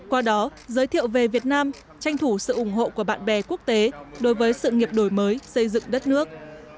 qua đó giới thiệu về việt nam tranh thủ sự ủng hộ của bạn bè quốc tế đối với sự nghiệp đổi mới xây dựng đất nước